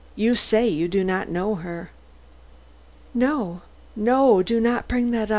You say you do not know her." "No, no; do not bring up that.